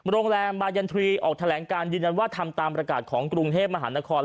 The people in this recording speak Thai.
โรงแรมบายันทรีออกแถลงการยืนยันว่าทำตามประกาศของกรุงเทพมหานคร